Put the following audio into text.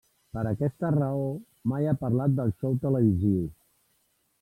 Per aquesta raó mai ha parlat del xou televisiu.